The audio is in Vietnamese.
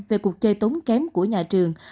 về cuộc chơi tốn kém của nhà trường